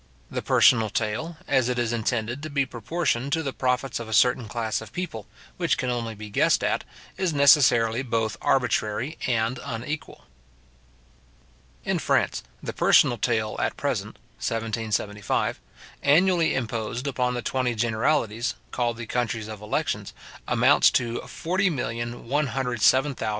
The personal taille, as it is intended to be proportioned to the profits of a certain class of people, which can only be guessed at, is necessarily both arbitrary and unequal. In France, the personal taille at present (1775) annually imposed upon the twenty generalities, called the countries of elections, amounts to 40,107,239 livres, 16 sous.